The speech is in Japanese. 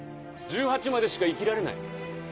１８までしか生きられない？